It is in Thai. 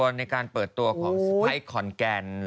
ของสุภัยขอนแกนแล้วก็อีกปีแล้วเนี่ย